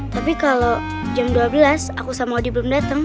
tapi kalau jam dua belas aku sama odi belum datang